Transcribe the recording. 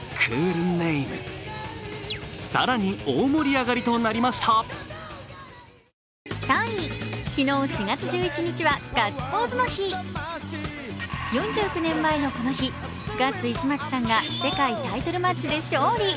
更に、大盛り上がりとなりました昨日４月１１日はガッツポーズの日４９年前のこの日、ガッツ石松さんが世界タイトルマッチで勝利。